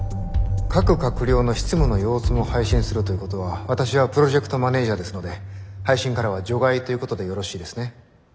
各閣僚の執務の様子も配信するということは私はプロジェクトマネージャーですので配信からは除外ということでよろしいですね。